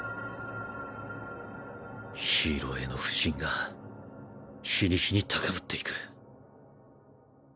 ヒーローへの不信が日に日に昂っていく